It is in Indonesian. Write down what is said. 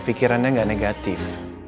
fikirannya gak negatif